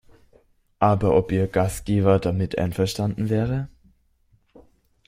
Aber ob ihr Gastgeber damit einverstanden wäre?